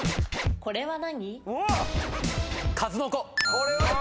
これは何？